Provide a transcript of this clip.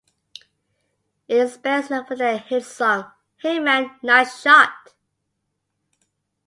It is best known for their hit song "Hey Man Nice Shot".